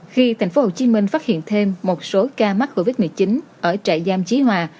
khi thành phố hồ chí minh phát hiện thêm một số ca mắc covid một mươi chín ở trại giam chí hòa